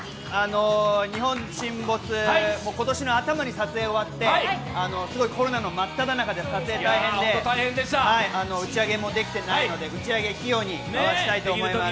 「日本沈没」、今年の頭に撮影終わって、すごいコロナのまっただ中で撮影大変で打ち上げもできてないので、打ち上げ費用に回したいと思います。